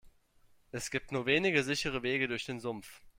Es gibt nur wenige sichere Wege durch den Sumpf.